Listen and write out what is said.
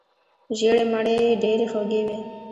ژیړې مڼې ډیرې خوږې وي.